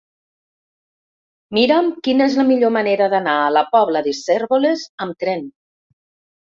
Mira'm quina és la millor manera d'anar a la Pobla de Cérvoles amb tren.